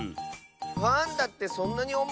パンダってそんなにおもいの？